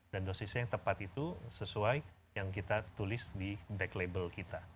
dosisnya yang tepat itu sesuai yang kita tulis di back label kita